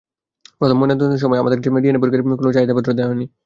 প্রথম ময়নাতদন্তের সময় আমার কাছে ডিএনএ পরীক্ষার কোনো চাহিদাপত্র দেওয়া হয়নি।